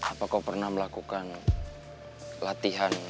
apa kau pernah melakukan latihan